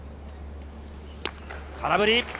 空振り。